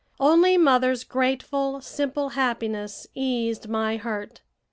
Only mother's grateful, simple happiness eased my hurt.